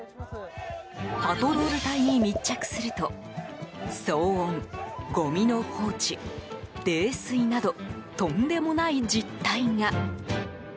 パトロール隊に密着すると騒音、ごみの放置、泥酔などとんでもない実態が。